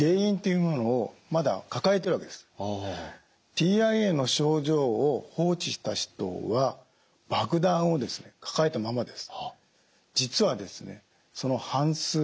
ＴＩＡの症状を放置した人は爆弾を抱えたままです。